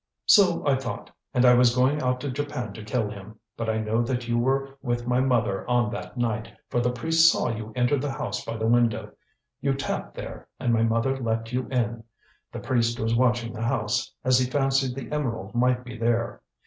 "So I thought, and I was going out to Japan to kill him. But I know that you were with my mother on that night, for the priest saw you enter the house by the window. You tapped there, and my mother let you in. The priest was watching the house, as he fancied the emerald might be there.